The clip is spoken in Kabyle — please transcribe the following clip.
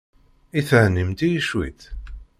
I thennimt-iyi cwiṭ?